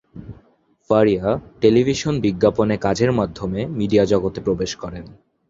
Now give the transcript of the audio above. Faria television বিজ্ঞাপনে কাজের মাধ্যমে মিডিয়া জগতে প্রবেশ করেন।